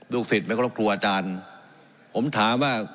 ลูกศิษย์ไม่เคารพครัวอาจารย์ผมถามว่า